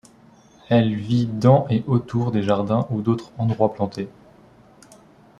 Elle vit dans et autour des jardins ou d'autres endroits plantés.